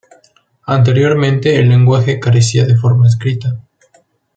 Anteriormente el lenguaje carecía de forma escrita.